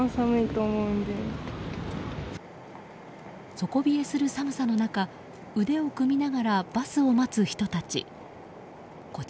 底冷えする寒さの中腕を組みながらバスを待つ人たち。